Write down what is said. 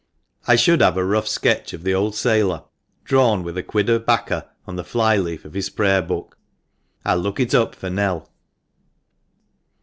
"I should have a rough sketch of the old sailor, drawn with a quid of 'bacca on the fly leaf of his Prayer book, I'll look it up for Nell."